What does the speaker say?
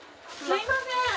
すいません！